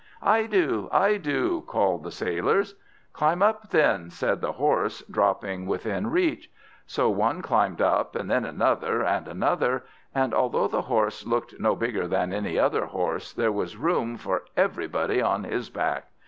"I do, I do!" called out the sailors. "Climb up, then!" said the horse, dropping within reach. So one climbed up, and then another, and another; and, although the horse looked no bigger than any other horse, there was room for everybody on his back.